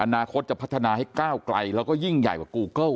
อนาคตจะพัฒนาให้ก้าวไกลแล้วก็ยิ่งใหญ่กว่ากูเกิ้ล